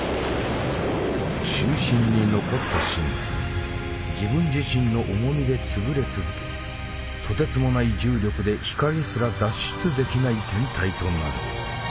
中心に残った芯が自分自身の重みでつぶれ続けとてつもない重力で光すら脱出できない天体となる。